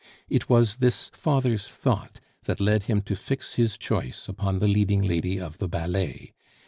It was this father's thought that led him to fix his choice upon the leading lady of the ballet.